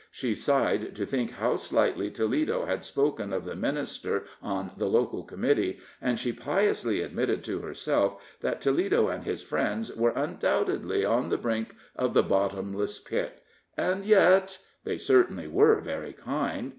She sighed to think how slightly Toledo had spoken of the minister on the local committee, and she piously admitted to herself that Toledo and his friends were undoubtedly on the brink of the bottomless pit, and yet they certainly were very kind.